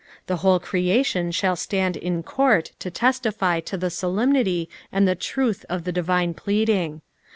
The whole creation shall stand in court to testify to the solemnity and the truth of the divine pleading.